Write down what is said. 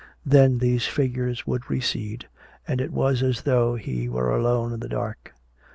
Then these figures would recede, and it was as though he were alone in the dark.